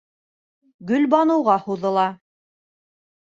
Гөлбаныуға һуҙыла.